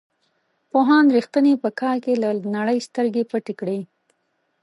پوهاند رښتین په کال کې له نړۍ سترګې پټې کړې.